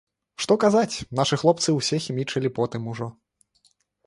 Што казаць, нашы хлопцы ўсе хімічылі потым ужо.